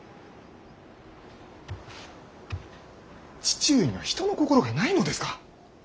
父上には人の心がないのですか。